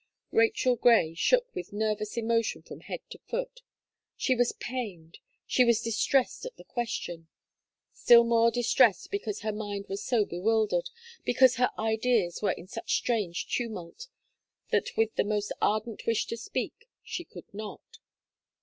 Rachel Gray shook with nervous emotion from head to foot She was pained she was distressed at the question. Still more distressed because her mind was so bewildered, because her ideas were in such strange tumult, that with the most ardent wish to speak, she could not.